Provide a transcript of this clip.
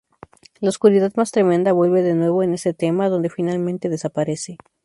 La oscuridad más tremenda vuelve de nuevo en este tema, donde finalmente desaparece.